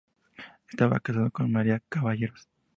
Estaba casado con María Caballeros.